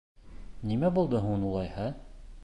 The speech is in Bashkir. — Нимә булды һуң, улайһа?